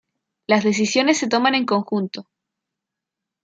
Las decisiones se toman en conjunto.